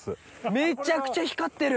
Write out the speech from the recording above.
めっちゃくちゃ光ってる。